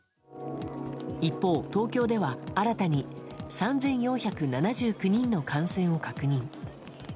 一方、東京では新たに３４７９人の感染を確認。